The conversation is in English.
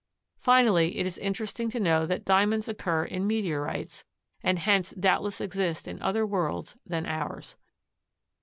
Finally it is interesting to know that Diamonds occur in meteorites, and hence doubtless exist in other worlds than ours.